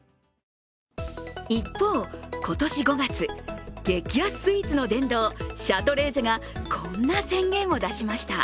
一方、今年５月、激安スイーツの殿堂シャトレーゼがこんな宣言を出しました。